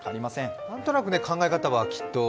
何となく考え方はきっと。